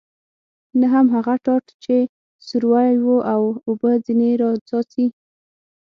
نه هم هغه ټاټ چې سوری و او اوبه ځنې را څاڅي.